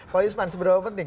pak yusman seberapa penting